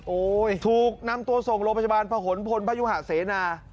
โอ้โหถูกนำตัวส่งโรงพยาบาลพะหนพลพยุหะเสนา